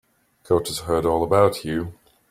Coach has heard all about you.